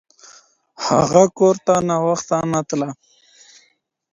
هغه کور ته ناوخته نه تله.